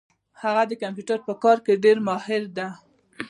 هغه د کمپیوټر په کار کي ډېر ماهر ده